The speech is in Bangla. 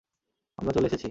আমরা চলে এসেছি!